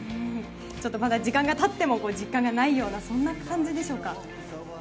まだ時間が経っても実感がないようなそんな感じでしょうか。